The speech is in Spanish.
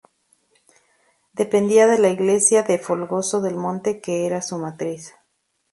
Dependía de la iglesia de Folgoso del Monte que era su matriz.